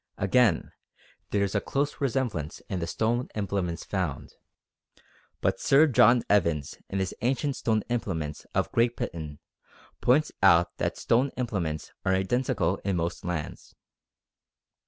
Again, there is a close resemblance in the stone implements found; but Sir John Evans in his Ancient Stone Implements of Great Britain points out that stone implements are identical in most lands.